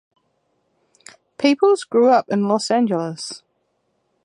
Peoples grew up in Los Angeles.